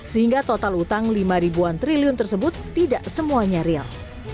sehingga total utang lima ribuan triliun tersebut tidak semuanya real